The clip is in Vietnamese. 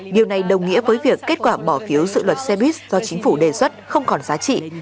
điều này đồng nghĩa với việc kết quả bỏ phiếu dự luật xe buýt do chính phủ đề xuất không còn giá trị